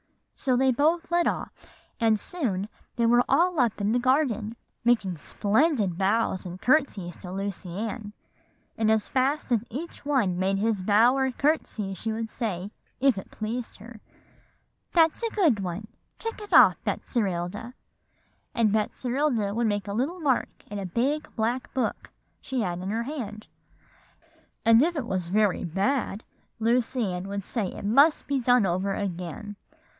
So they both led off; and soon they were all up in the garden, and making splendid bows and courtesies to Lucy Ann. And as fast as each one made his bow or courtesy, she would say, if it pleased her, 'That's a good one, check it off, Betserilda;' and Betserilda would make a little mark in a big black book she had in her hand. And if it was very bad, Lucy Ann would say it must be done over again.